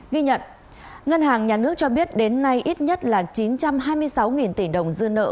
ghi nhận ngân hàng nhà nước cho biết đến nay ít nhất là chín trăm hai mươi sáu tỷ đồng dư nợ